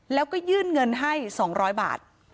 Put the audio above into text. แล้วก็ยื่นเงินให้๒๐๐บาท